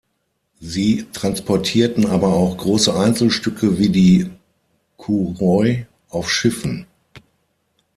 Sie transportierten aber auch große Einzelstücke wie die Kouroi auf Schiffen.